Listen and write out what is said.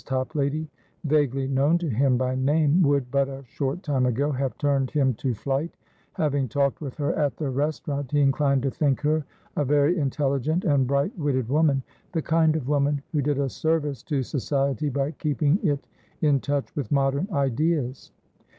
Toplady, vaguely known to him by name, would, but a short time ago, have turned him to flight; having talked with her at the restaurant, he inclined to think her a very intelligent and bright witted woman, the kind of woman who did a service to Society by keeping it in touch with modern ideas.